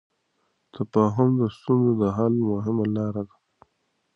تفاهم د ستونزو د حل مهمه لار ده.